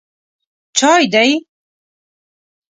_چای دی؟